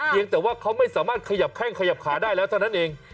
ยังแต่ว่าเขาไม่สามารถขยับแข้งขยับขาได้แล้วเท่านั้นเอง